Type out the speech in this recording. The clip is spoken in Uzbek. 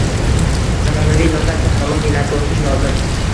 Zamonaviy lokal texnologiyalarga oʻtish lozim